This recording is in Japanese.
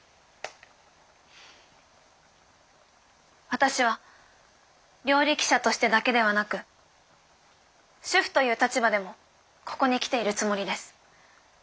私は料理記者としてだけではなく主婦という立場でもここに来ているつもりです。